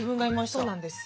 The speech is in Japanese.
そうなんです。